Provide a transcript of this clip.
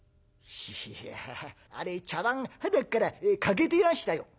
「いやあれ茶碗はなっから欠けてましたよ」。